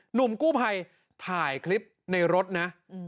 หนุ่มกู้ภัยถ่ายคลิปในรถนะ